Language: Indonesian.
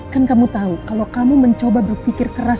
kan kamu tahu kalau kamu mencoba berpikir keras